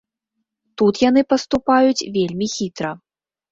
Тут яны паступаюць вельмі хітра.